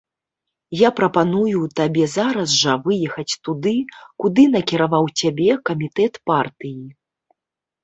Я прапаную табе зараз жа выехаць туды, куды накіраваў цябе камітэт партыі.